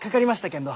けんど